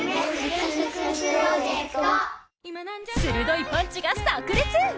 鋭いパンチがさく裂。